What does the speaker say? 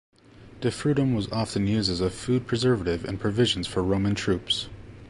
Defrutum was often used as a food preservative in provisions for Roman troops.